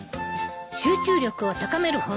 『集中力を高める本』？